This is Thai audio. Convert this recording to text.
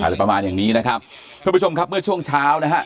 อะไรประมาณอย่างนี้นะครับทุกผู้ชมครับเมื่อช่วงเช้านะฮะ